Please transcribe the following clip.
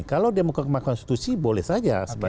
kalau dia mau ke makam konstitusi boleh saja